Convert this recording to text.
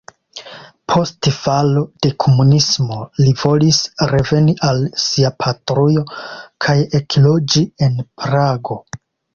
Post falo de komunismo li volis reveni al sia patrujo kaj ekloĝi en Prago.